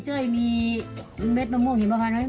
เจ้ยมีเม็ดมะมุ่งหิมะพรรค์ไหม